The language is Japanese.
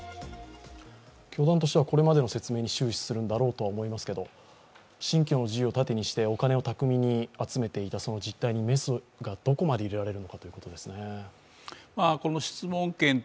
教団としてはこれまでの説明に終始するんだろうと思いますが、信教の自由をたてにしていましたが、メスがどこまで入れられるのかということですね。